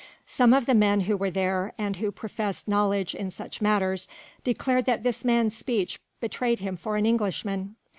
Some of the men who were there and who professed knowledge in such matters, declared that this man's speech betrayed him for an Englishman.